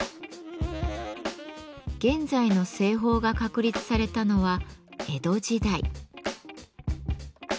現在の製法が確立されたのは江戸時代。